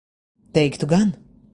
Teiktu gan.